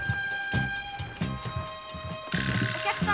お客様。